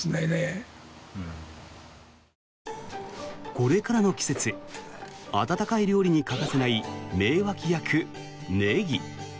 これからの季節温かい料理に欠かせない名脇役ネギ。